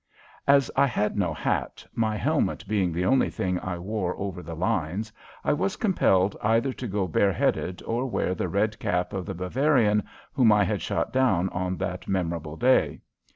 As I had no hat, my helmet being the only thing I wore over the lines, I was compelled either to go bareheaded or wear the red cap of the Bavarian whom I had shot down on that memorable day.